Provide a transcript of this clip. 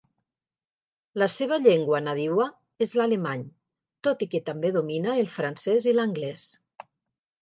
La seva llengua nadiua és l'alemany, tot i que també domina el francès i l'anglès.